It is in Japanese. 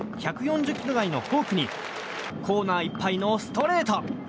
１４０キロ台のフォークにコーナーいっぱいのストレート。